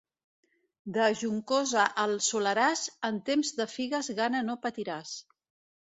De Juncosa al Soleràs, en temps de figues gana no patiràs.